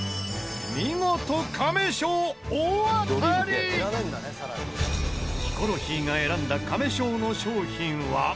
見事ヒコロヒーが選んだ亀賞の賞品は？